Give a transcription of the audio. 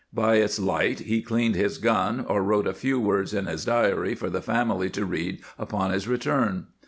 By its light he cleaned his gun, or wrote a {&v^ words in his diary for the family to read upon his return.